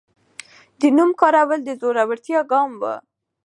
د نوم کارول د زړورتیا ګام و.